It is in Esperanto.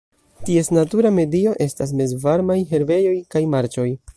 Ties natura medio estas mezvarmaj herbejoj kaj marĉoj.